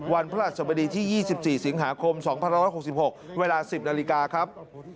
พระราชสมดีที่๒๔สิงหาคม๒๑๖๖เวลา๑๐นาฬิกาครับ